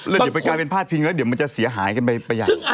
แล้วเดี๋ยวไปกลายเป็นพาดพิงแล้วเดี๋ยวมันจะเสียหายกันไปประหยัด